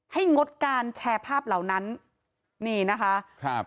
งดการแชร์ภาพเหล่านั้นนี่นะคะครับ